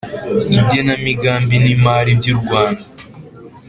igenamigambi n’imari by’urwanda